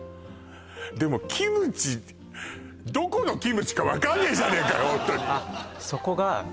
でもキムチどこのキムチか分かんねえじゃねえかよ